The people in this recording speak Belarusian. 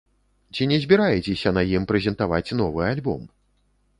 Ці не збіраецеся на ім прэзентаваць новы альбом?